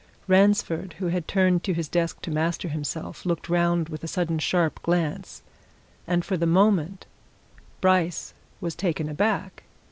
Ransford, who had turned to his desk to master himself, looked round with a sudden sharp glance and for the moment Bryce was taken aback.